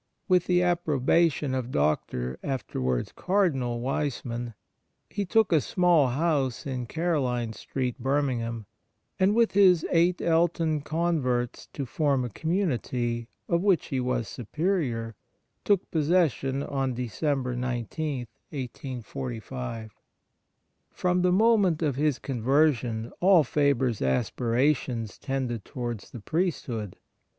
With the approbation of Dr., afterwards Cardinal, Wiseman, he took a small house in Caro line Street, Birmingham, and, with his eight Elton converts to form a community, Memoir of Father Faher ii of which he was Superior, took possession on December 19, 1845. From the moment of his conversion all Faber's aspirations tended towards the priesthood.